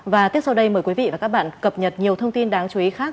và tiếp sau đây mời quý vị và các bạn cập nhật nhiều thông tin đáng chú ý khác